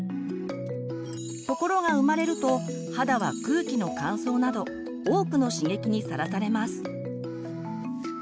ところが生まれると肌は空気の乾燥など多くの刺激にさらされます。